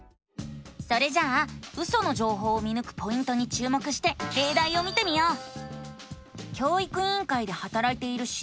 それじゃあウソの情報を見ぬくポイントに注目してれいだいを見てみよう！